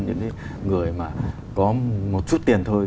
những người mà có một chút tiền thôi